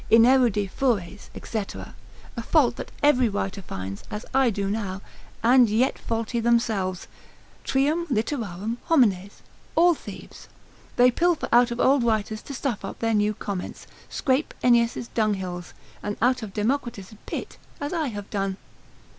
Ineruditi fures, &c. A fault that every writer finds, as I do now, and yet faulty themselves, Trium literarum homines, all thieves; they pilfer out of old writers to stuff up their new comments, scrape Ennius' dunghills, and out of Democritus' pit, as I have done.